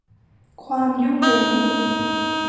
ความยุ่งเหยิง